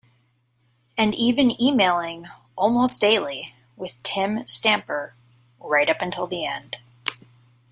And even emailing almost daily with Tim Stamper right up until the end.